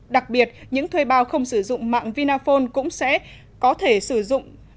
đặc biệt những thuê bao không sử dụng mạng vinaphone cũng sẽ có thể sử dụng dịch vụ này mà không cần đăng nhập